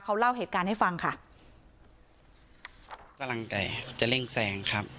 เขาเล่าเหตุการณ์ให้ฟังค่ะกำลังจะเร่งแซงครับ